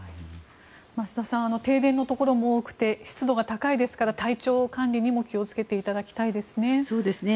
増田さん停電のところも多くて体調管理にも気を付けていただきたいですね。